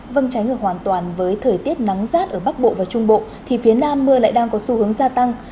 vâng trái ngược hoàn toàn với thời tiết nắng rát ở bắc bộ và trung bộ thì phía nam mưa lại đang có xu hướng gia tăng